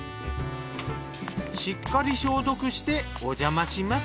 しっかり消毒しておじゃまします。